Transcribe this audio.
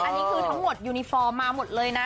อันนี้คือทั้งหมดยูนิฟอร์มมาหมดเลยนะ